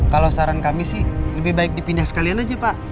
kalau saran kami sih lebih baik dipindah sekalian aja pak